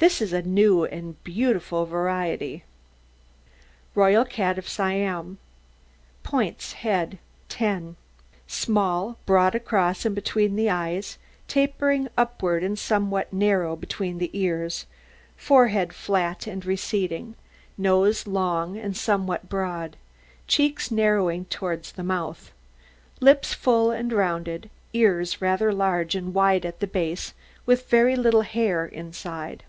This is a new and beautiful variety. ROYAL CAT OF SIAM. POINTS HEAD 10 Small, broad across and between the eyes, tapering upwards and somewhat narrow between the ears: forehead flat and receding, nose long, and somewhat broad, cheeks narrowing towards the mouth, lips full and rounded, ears rather large and wide at base, with very little hair inside.